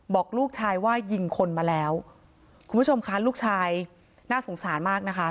บอกลูกชายว่ายิงคนมาแล้วคุณผู้ชมคะลูกชายน่าสงสารมากนะคะ